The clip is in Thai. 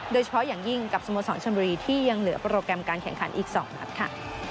โดยเฉพาะอย่างยิ่งกับสโมสรชนบุรีที่ยังเหลือโปรแกรมการแข่งขันอีก๒นัดค่ะ